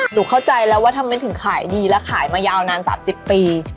เข้าใจแล้วว่าทำไมถึงขายดีและขายมายาวนาน๓๐ปี